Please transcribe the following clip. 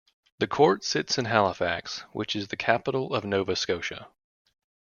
The court sits in Halifax, which is the capital of Nova Scotia.